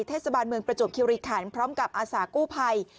เทศบาลเมืองประจวบคิริขันพร้อมกับอาสากู้ภัย